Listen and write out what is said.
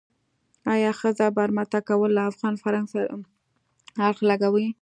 آیا ښځه برمته کول له افغان فرهنګ سره اړخ لګوي.